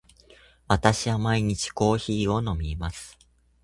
私は毎日コーヒーを飲みます。